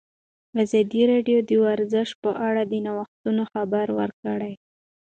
ازادي راډیو د ورزش په اړه د نوښتونو خبر ورکړی.